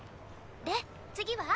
で次は？